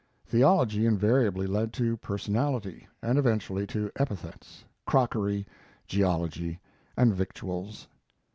Theology invariably led to personality, and eventually to epithets, crockery, geology, and victuals.